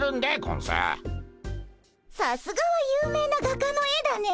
さすがは有名な画家の絵だね。